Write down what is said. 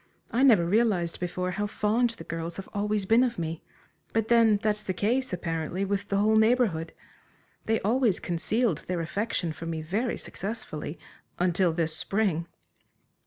I never realized before how fond the girls have always been of me. But then that's the case, apparently with the whole Neighborhood. They always concealed their affection for me very successfully until this spring!"